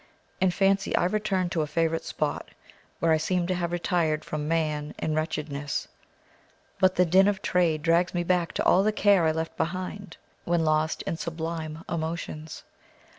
In fancy I return to a favourite spot, where I seemed to have retired from man and wretchedness; but the din of trade drags me back to all the care I left behind, when lost in sublime emotions.